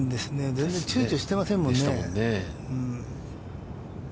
全然ちゅうちょしてませんもんね。